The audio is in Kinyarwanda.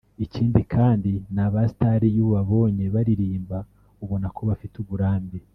ikindi kandi ni abastars iyo ubabonye baririmba ubona ko bafite uburambe